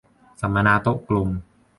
สัมมนาโต๊ะกลม